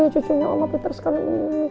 cucunya oma puter sekarang